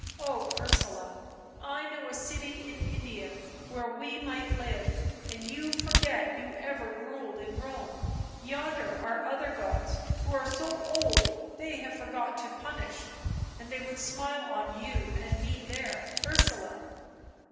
" Oh, Ursula, I know a city in India where we might live, and you forget you ever ruled in Rome; yonder are other gods who are so old they have forgot to punish, and they would smile on you and me there, Ursula.